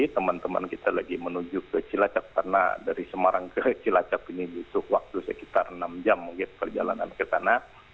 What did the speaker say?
teman teman kita lagi menuju ke cilacap karena dari semarang ke cilacap ini butuh waktu sekitar enam jam mungkin perjalanan ke sana